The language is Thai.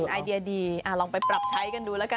อ่าอีเดียดีลองไปปรับใช้กันดูละกัน